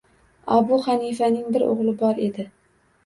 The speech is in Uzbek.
Abu Hanifaning bir o‘g‘li bor edi